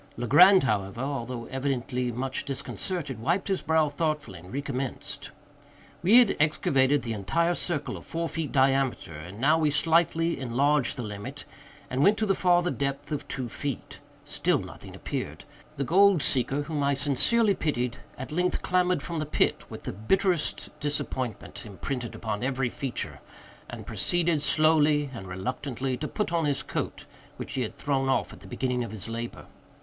Legrand, however, although evidently much disconcerted, wiped his brow thoughtfully and recommenced. We had excavated the entire circle of four feet diameter, and now we slightly enlarged the limit, and went to the farther depth of two feet. Still nothing appeared. The gold seeker, whom I sincerely pitied, at length clambered from the pit, with the bitterest disappointment imprinted upon every feature, and proceeded, slowly and reluctantly, to put on his coat, which he had thrown off at the beginning of his labor.